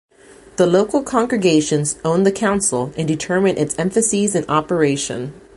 The local congregations own the Council and determine its emphases and operation.